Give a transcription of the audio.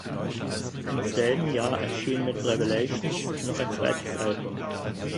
Im selben Jahr erschien mit "Revelations" noch ein zweites Album.